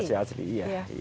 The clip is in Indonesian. masih asli iya